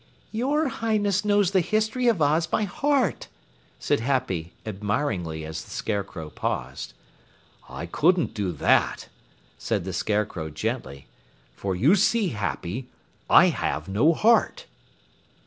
"Your Highness knows the history of Oz by heart," said Happy admiringly as the Scarecrow paused. "I couldn't do that," said the Scarecrow gently, "for you see, Happy, I have no heart."